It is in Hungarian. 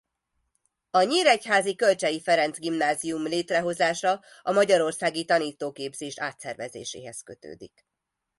A Nyíregyházi Kölcsey Ferenc Gimnázium létrehozása a magyarországi tanítóképzés átszervezéséhez kötődik.